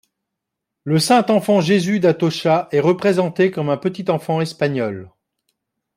Le Saint Enfant Jésus d’Atocha est représenté comme un petit enfant espagnol.